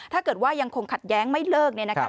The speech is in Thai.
ถ้าเกิดว่ายังคงขัดแย้งไม่เลิกเนี่ยนะคะ